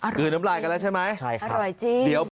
อร่อยคือน้ำลายกันแล้วใช่ไหมใช่ค่ะอร่อยจริง